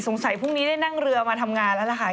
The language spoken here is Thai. พรุ่งนี้ได้นั่งเรือมาทำงานแล้วล่ะค่ะ